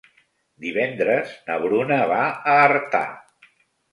Divendres na Bruna va a Artà.